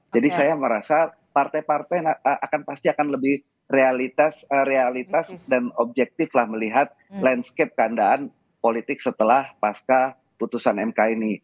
jadi saya merasa partai partai akan pasti akan lebih realitas dan objektif lah melihat landscape keandaan politik setelah pasca putusan mk ini